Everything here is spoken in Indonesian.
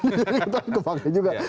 jadi itu kepakai juga